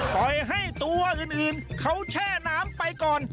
ปล่อยให้ตัวอื่นเขาแช่น้ำไปก่อน